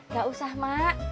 gak usah mak